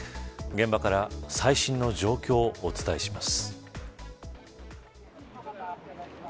現場から最新の状況をお伝えします。